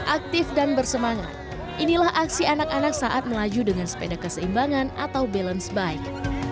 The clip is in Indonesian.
aktif dan bersemangat inilah aksi anak anak saat melaju dengan sepeda keseimbangan atau balance bike